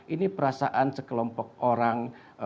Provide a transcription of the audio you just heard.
ini perasaan sekelompok orang